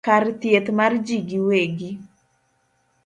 kar thieth mar jii giwegi